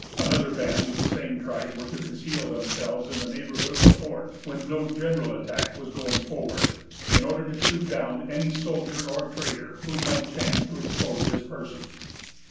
Another band of the same tribe were to conceal themselves in the neighborhood of the fort, when no general attack was going forward, in order to shoot down any soldier or trader who might chance to expose his person.